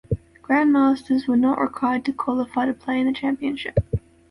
Grandmasters were not required to qualify to play in the championship.